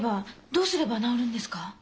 どうすれば治るんですか？